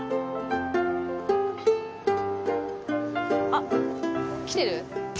あっ！来てる？